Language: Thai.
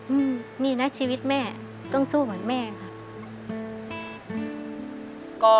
อืมนี่นะชีวิตแม่ต้องสู้เหมือนแม่ค่ะ